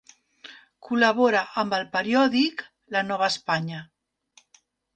Col·labora amb el periòdic La Nova Espanya.